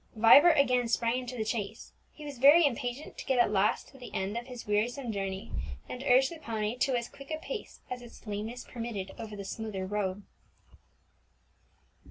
Vibert again sprang into the chaise; he was very impatient to get at last to the end of his wearisome journey, and urged the pony to as quick a pace as its lameness permitted over the smoother road.